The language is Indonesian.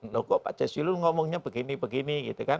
loh kok pak cesiul ngomongnya begini begini